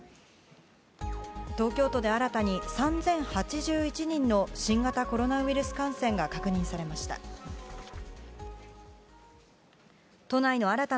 東京都で新たに３０８１人の新型コロナウイルス感染が確認されました。